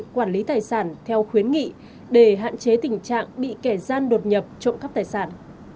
quản lý tài sản theo khuyến nghị để hạn chế tình trạng bị kẻ gian đột nhập trộm cắp tài sản